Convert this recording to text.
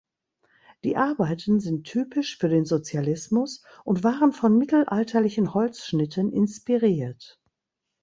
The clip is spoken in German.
Die Arbeiten sind typisch für den Sozialismus und waren von mittelalterlichen Holzschnitten inspiriert.